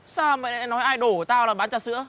sao mày lại nói idol của tao là bán trà sữa